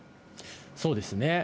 そうですね。